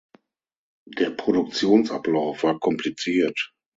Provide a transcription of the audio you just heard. Der Produktionsablauf war kompliziert.